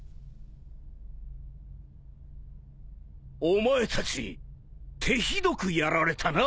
お前たち手ひどくやられたな。